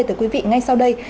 từ quý vị ngay sau đây